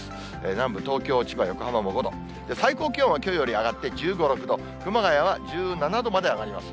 南部、東京、千葉、横浜も５度、最高気温はきょうより上がって１５、６度、熊谷は１７度まで上がります。